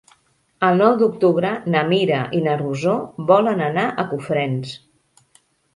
El nou d'octubre na Mira i na Rosó volen anar a Cofrents.